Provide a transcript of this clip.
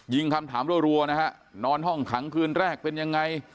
คำถามรัวนะฮะนอนห้องขังคืนแรกเป็นยังไง